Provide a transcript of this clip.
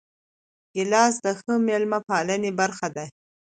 ګیلاس د ښه میلمه پالنې برخه ده.